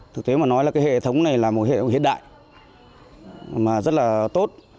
thực tế mà nói là cái hệ thống này là một hệ thống hiện đại mà rất là tốt